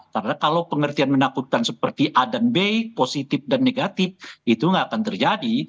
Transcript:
karena kalau pengertian menakutkan seperti a dan b positif dan negatif itu nggak akan terjadi